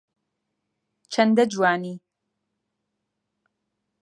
چەندە جوانی